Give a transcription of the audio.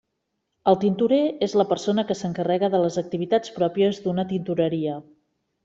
El tintorer és la persona que s’encarrega de les activitats pròpies d’una tintoreria.